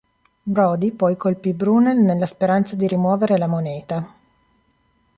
Brodie poi colpì Brunel nella speranza di rimuovere la moneta.